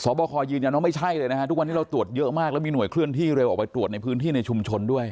บคยืนยันว่าไม่ใช่เลยนะฮะทุกวันนี้เราตรวจเยอะมากแล้วมีหน่วยเคลื่อนที่เร็วออกไปตรวจในพื้นที่ในชุมชนด้วย